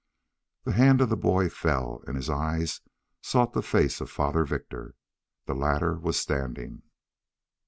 The hand of the boy fell, and his eyes sought the face of Father Victor. The latter was standing.